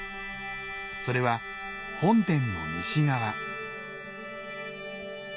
それは本殿の西側。